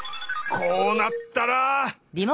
こうなったら。